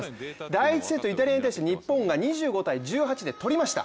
第１セット、イタリアに対して日本が２５−１８でとりました。